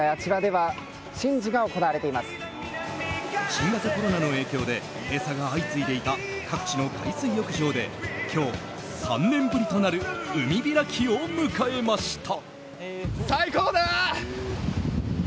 新型コロナの影響で閉鎖が相次いでいた各地の海水浴場で今日、３年ぶりとなる今日、７月１日各地の海水浴場で海開きを迎えました。